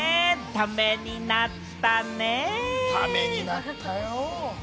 ためになったよ。